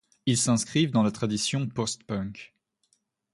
Ils s'inscrivent dans la tradition post-punk.